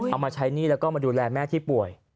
เอามาใช้หนี้แล้วก็มาดูแลแม่ที่ป่วย